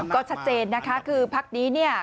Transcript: ก็ชัดเจนนะคะคือพักนี้เนี่ย